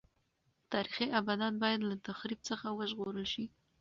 تاریخي ابدات باید له تخریب څخه وژغورل شي.